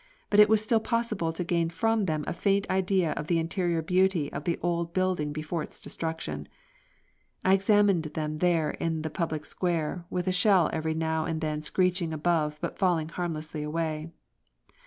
But it was still possible to gain from them a faint idea of the interior beauty of the old building before its destruction. I examined them there in the public square, with a shell every now and then screeching above but falling harmlessly far away.